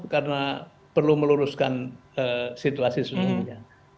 karena perlu meluruskan situasi sejujurnya